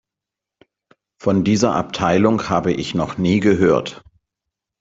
Von dieser Abteilung habe ich noch nie gehört.